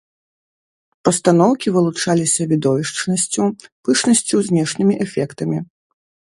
Пастаноўкі вылучаліся відовішчнасцю, пышнасцю, знешнімі эфектамі.